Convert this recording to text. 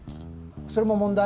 それも問題？